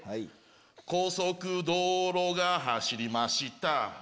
高速道路が走りました